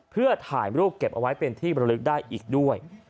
เพื่อถ่ายรูปเก็บเอาไว้เป็นที่บรรลึกได้อีกด้วย